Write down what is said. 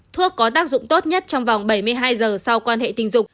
thuốc có tác dụng tốt nhất trong vòng bảy mươi hai giờ sau quan hệ tình dục